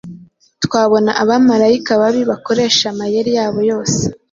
twabona abamarayika babi bakoresha amayeri yabo yose